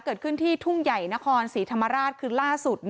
เกิดขึ้นที่ทุ่งใหญ่นครศรีธรรมราชคือล่าสุด